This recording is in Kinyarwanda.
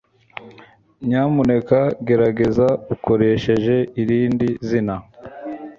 Nyamuneka gerageza ukoresheje irindi zina